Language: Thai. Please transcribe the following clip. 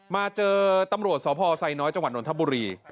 มาเจอตำรวจสพไซน้อยจังหวัดนทบุรี